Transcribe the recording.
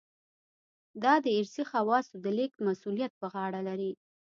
دا د ارثي خواصو د لېږد مسوولیت په غاړه لري.